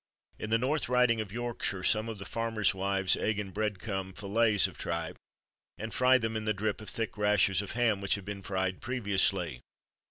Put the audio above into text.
In the North Riding of Yorkshire, some of the farmers' wives egg and bread crumb fillets of tripe, and fry them in the drip of thick rashers of ham which have been fried previously.